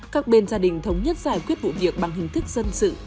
các bên gia đình thống nhất giải quyết vụ việc bằng hình thức dân sự